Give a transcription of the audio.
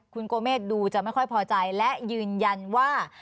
คุณโกเมฆดูจะไม่ค่อยพอใจและยืนยันว่า